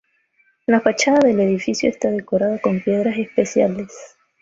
La fachada del edificio está decorada con piedras especiales.